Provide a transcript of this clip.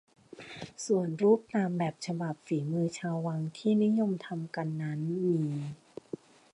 ส่วนรูปตามแบบฉบับฝีมือชาววังที่นิยมทำกันนั้นมี